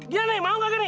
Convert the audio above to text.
gini nih mau gak gini